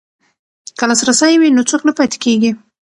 که لاسرسی وي نو څوک نه پاتې کیږي.